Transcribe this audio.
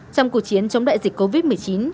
trong cuộc chiến chống đại dịch covid một mươi chín